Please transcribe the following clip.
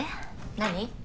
何？